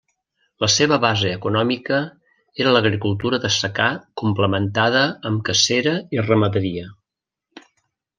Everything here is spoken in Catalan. La seva base econòmica era l'agricultura de secà complementada amb cacera i ramaderia.